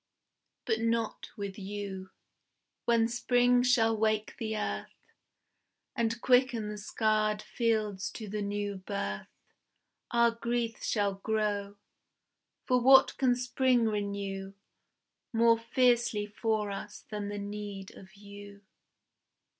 But not with you. When Spring shall wake the earth, And quicken the scarred fields to the new birth, Our grief shall grow. For what can Spring renew More fiercely for us than the need of you?